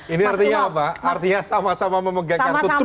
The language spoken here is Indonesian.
ini artinya apa artinya sama sama memegang kartu trump